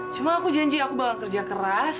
cuma aku janji aku bakal kerja keras